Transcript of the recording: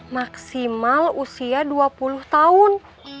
maksimal usia dua puluh tahun